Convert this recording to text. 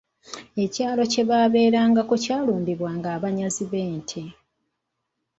Ekyalo kye baabelangako kyalumbibwanga abanyazi b'ente.